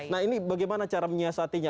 nah ini bagaimana cara menyiasatinya